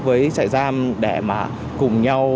với trại giam để mà cùng nhau